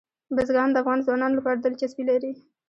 بزګان د افغان ځوانانو لپاره دلچسپي لري.